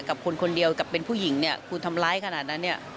กับคนคนเดียวกับเป็นผู้หญิงเนี่ย